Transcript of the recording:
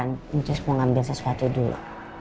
nanti sus mau ambil sesuatu dulu